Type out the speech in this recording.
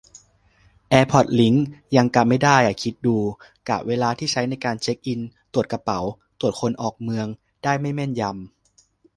แอร์พอร์ตลิงก์ยังกะไม่ได้อะ คิดดู กะเวลาที่ใช้ในการเช็คอิน-ตรวจกระเป๋า-ตรวจคนออกเมืองได้ไม่แม่นยำ